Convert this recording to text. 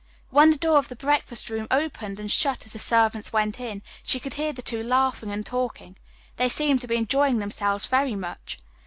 When the door of the breakfast room opened and shut as the servants went in, she could hear the two laughing and talking. They seemed to be enjoying themselves very much.